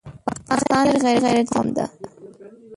پښتانه ډېر غیرتي قوم ده